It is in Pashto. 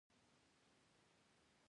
د غزني په رشیدان کې د لیتیم نښې شته.